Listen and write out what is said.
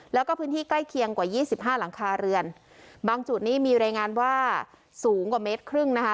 แล้วก็พื้นที่ใกล้เคียงกว่ายี่สิบห้าหลังคาเรือนบางจุดนี้มีรายงานว่าสูงกว่าเมตรครึ่งนะคะ